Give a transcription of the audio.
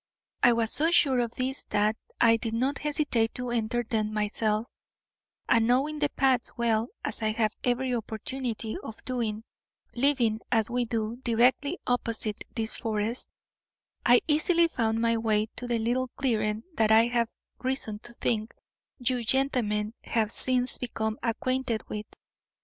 I was so sure of this that I did not hesitate to enter them myself, and, knowing the paths well, as I have every opportunity of doing, living, as we do, directly opposite this forest, I easily found my way to the little clearing that I have reason to think you gentlemen have since become acquainted with.